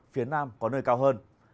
phía nam có nơi cao hơn